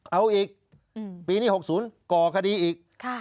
เอาอีกปีนี้๖๐ก่อคดีอีก